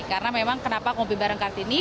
karena memang kenapa ngopi bareng kartini